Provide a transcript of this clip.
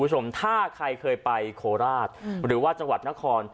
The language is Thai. คุณผู้ชมถ้าใครเคยไปโคราชหรือว่าจังหวัดนคร